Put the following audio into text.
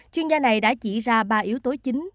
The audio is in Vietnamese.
chuyên gia này đã chỉ ra ba yếu tố chính